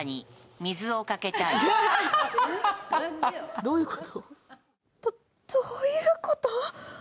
ど、どういうこと？